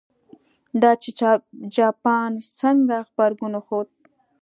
دا چې جاپان څنګه غبرګون وښود.